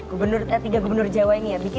gubernur tiga gubernur jawa ini ya